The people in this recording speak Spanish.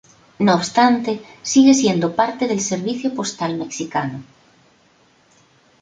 No obstante, sigue siendo parte del Servicio Postal Mexicano.